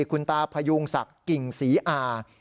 คุณตาพยุงศักดิ์กิ่งศรีอา